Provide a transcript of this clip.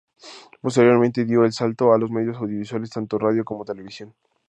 Posteriormente, dio el salto a los medios audiovisuales, tanto radio como televisión.